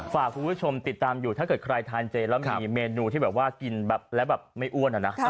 ฝากคุณผู้ชมติดตามอยู่ถ้าเกิดใครทานเจนแล้วมีเมนูที่กินและไม่อ้วน